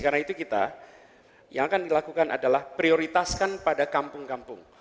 karena itu kita yang akan dilakukan adalah prioritaskan pada kampung kampung